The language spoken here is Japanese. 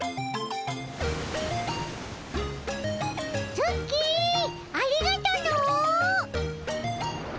ツッキーありがとの。